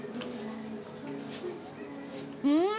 うん！